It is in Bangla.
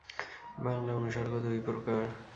বাংলা অনুসর্গ দুই প্রকার।